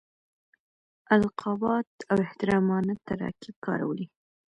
القابات او احترامانه تراکیب کارولي.